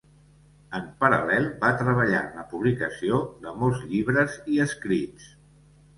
En paral·lel, va treballar en la publicació de molts llibres i escrits.